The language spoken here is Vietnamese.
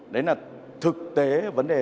đấy là thực tế vấn đề